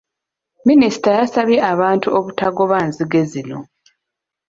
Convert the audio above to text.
Minisita yasabye abantu obutagoba nzige zino.